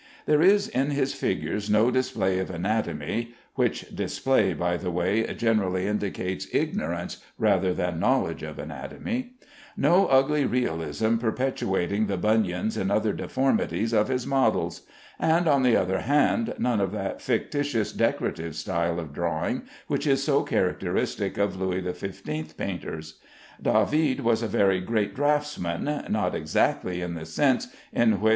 There is in his figures no display of anatomy (which display, by the way, generally indicates ignorance rather than knowledge of anatomy), no ugly realism perpetuating the bunions and other deformities of his models; and, on the other hand, none of that fictitious decorative style of drawing which is so characteristic of Louis XV painters. David was a very great draughtsman, not exactly in the sense in which M.